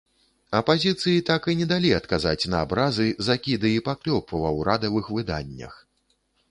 Апазіцыі так і не далі адказаць на абразы, закіды і паклёп ва ўрадавых выданнях.